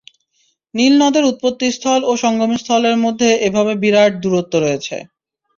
নীল নদের উৎপত্তিস্থল ও সঙ্গম স্থলের মধ্যে এভাবে বিরাট দূরত্ব রয়েছে।